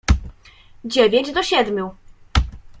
"Dziewięć do siedmiu."